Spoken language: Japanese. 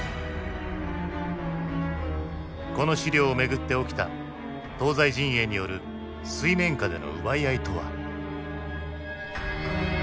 この資料を巡って起きた東西陣営による水面下での「奪い合い」とは？